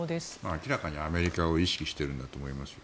明らかにアメリカを意識してると思います。